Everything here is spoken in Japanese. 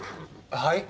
はい？